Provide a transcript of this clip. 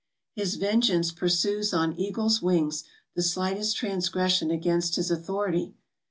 His vengeance pursues on eagle's wings the slightest transgression against his authority.